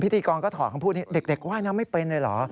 พิธีกรก็ถอดคำพูดนี้เด็กว่ายน้ำไม่เป็นเลยเหรอ